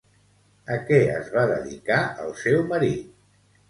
A què es va dedicar el seu marit?